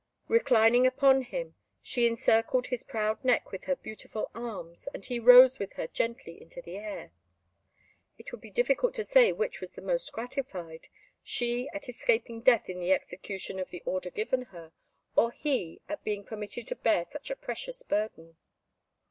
Reclining upon him, she encircled his proud neck with her beautiful arms, and he rose with her gently into the air. It would be difficult to say which was the most gratified she, at escaping death in the execution of the order given her, or he, at being permitted to bear such a precious burden.